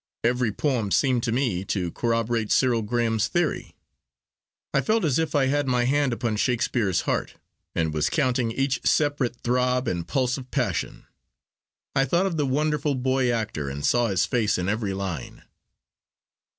Every poem seemed to me to corroborate Cyril Graham's theory. I felt as if I had my hand upon Shakespeare's heart, and was counting each separate throb and pulse of passion. I thought of the wonderful boy actor, and saw his face in every line.